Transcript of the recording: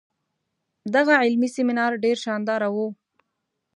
دغه علمي سیمینار ډیر شانداره وو.